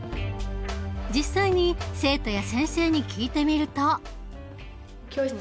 実際に生徒や先生に聞いてみると。